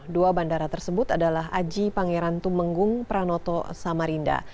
dua bandara tersebut adalah aji pangeran tumenggung pranoto samarinda